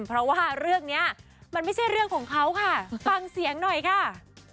เพราะว่าเรื่องนี้มันไม่ใช่เรื่องของเขาค่ะฟังเสียงหน่อยค่ะ